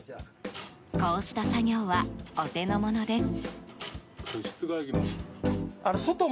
こうした作業はお手の物です。